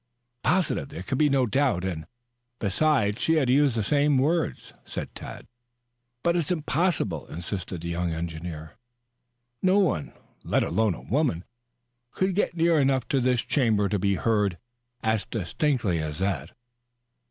"Positive. There can be no doubt. And, besides, she has used the same words." "But it's impossible," insisted the young engineer. "No one, let alone a woman, could get near enough to this chamber to be heard as distinctly as that."